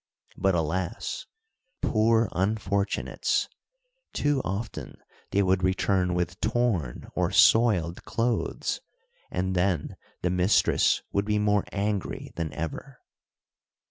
But alas! poor unfortunates! too often they would return with torn or soiled clothes, and then the mistress would be more angry than ever.